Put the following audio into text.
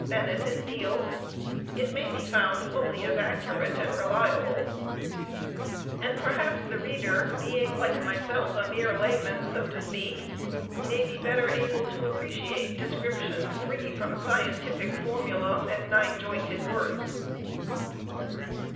Bennett and Beale, it may be found fully as accurate and reliable; and perhaps the reader, being like myself a mere layman, so to speak, may be better able to appreciate description free from scientific formula and nine jointed words.